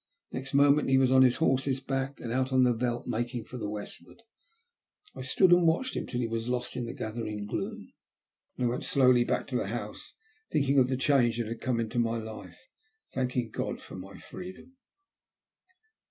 Next moment he was on his horse's back and out on the veldt making for the westward. I THE END. 288 stood and watched him till he was lost in the gather ing gloom, and then went slowly back to the house thinking of the change that had come into my life, thanking God for my freedom.